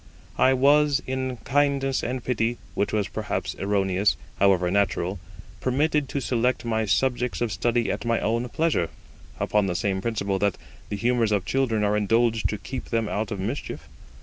I was, in kindness and pity, which was perhaps erroneous, however natural, permitted to select my subjects of study at my own pleasure, upon the same principle that the humours of children are indulged to keep them out of mischief.